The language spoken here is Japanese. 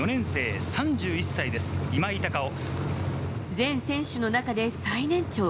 全選手の中で最年長。